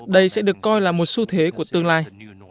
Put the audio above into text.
đây sẽ được coi là một xu thế của tương lai